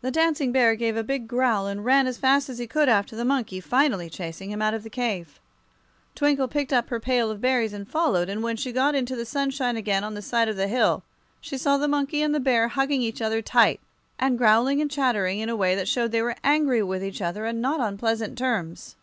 The Dancing Bear gave a big growl and ran as fast as he could after the monkey, finally chasing him out of the cave. Twinkle picked up her pail of berries and followed, and when she got into the sunshine again on the side of the hill she saw the monkey and the bear hugging each other tight, and growling and chattering in a way that showed they were angry with each other and not on pleasant terms.